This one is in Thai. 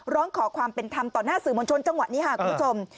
ร้องขอความเป็นธรรมต่อหน้าสื่อมวลชนจังหวะนี้ค่ะคุณผู้ชม